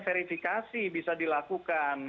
verifikasi bisa dilakukan